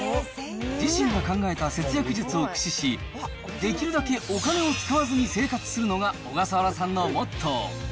自身が考えた節約術を駆使し、できるだけお金を使わずに生活するのが小笠原さんのモットー。